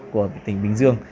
của tỉnh bình dương